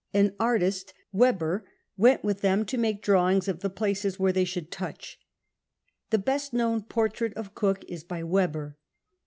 An artist — Webber CAPTAIN COON CHAP. Il6 — went with them to make drawings of the places where they should touch. The best known portrait of Cook is by Webber.